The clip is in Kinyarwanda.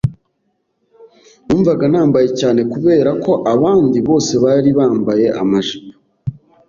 Numvaga nambaye cyane kubera ko abandi bose bari bambaye amajipo.